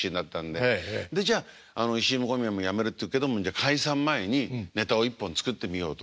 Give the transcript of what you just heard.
でじゃあ石井も小宮もやめるって言うけども解散前にネタを１本作ってみようと。